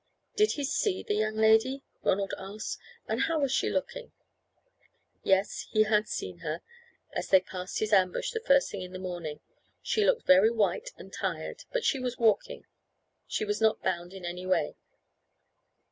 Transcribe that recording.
"Did he see the young lady?" Ronald asked; "and how was she looking?" Yes, he had seen her as they passed his ambush the first thing in the morning. She looked very white and tired, but she was walking. She was not bound in any way.